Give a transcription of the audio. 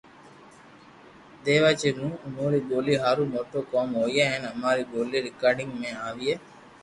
ديوا جي مون اموري ٻولي ھارو موٽو ڪوم ھوئي ھين اماري ٻولي رآڪارذ مي آوئي